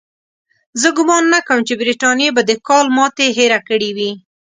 زه ګومان نه کوم چې برټانیې به د کال ماتې هېره کړې وي.